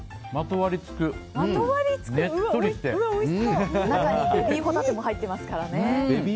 中にベビーホタテも入ってますからね。